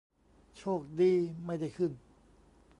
โชคดีไม่ได้ขึ้น